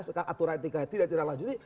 setelah aturan intikanya tidak tidak lanjuti